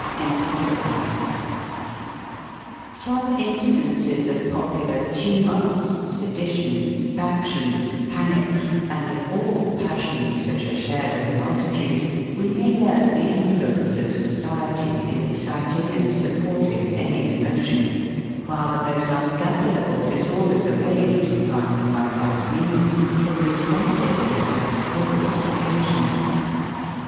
] From instances of popular tumults, seditions, factions, panics, and of all passions, which are shared with a multitude, we may learn the influence of society in exciting and supporting any emotion; while the most ungovernable disorders are raised, we find, by that means, from the slightest and most frivolous occasions.